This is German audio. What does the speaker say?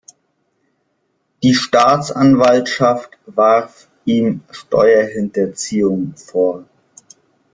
Die Staatsanwaltschaft warf ihm Steuerhinterziehung vor.